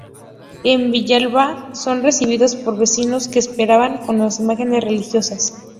En Villalba son recibidos por los vecinos, que esperan con las imágenes religiosas.